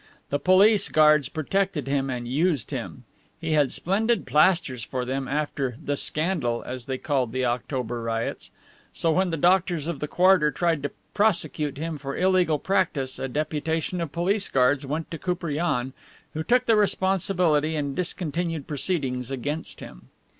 The police guards protected him and used him. He had splendid plasters for them after "the scandal," as they called the October riots. So when the doctors of the quarter tried to prosecute him for illegal practice, a deputation of police guards went to Koupriane, who took the responsibility and discontinued proceedings against him.